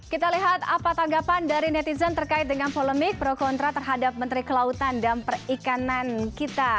kita lihat apa tanggapan dari netizen terkait dengan polemik pro kontra terhadap menteri kelautan dan perikanan kita